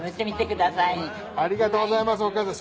ありがとうございますお母さん。